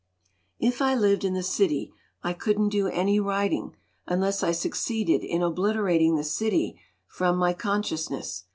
"If I lived in the city I couldn't do any writing, unless I succeeded in obliterating the city from my consciousness.